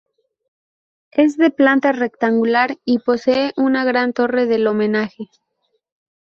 Es de planta rectangular y posee una gran Torre del Homenaje.